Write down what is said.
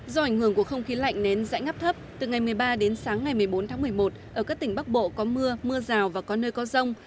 do ảnh hưởng của không khí lạnh nến dãi ngắp thấp từ ngày một mươi ba đến sáng ngày một mươi bốn tháng một mươi một ở các tỉnh bắc bộ có mưa mưa rào và có nơi có rông